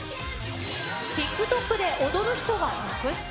ＴｉｋＴｏｋで踊る人が続出。